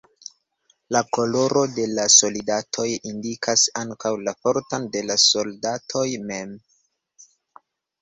La koloro de la soldatoj indikas ankaŭ la forton de la soldatoj mem.